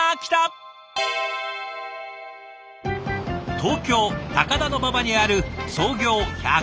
東京・高田馬場にある創業１０５年の酒店。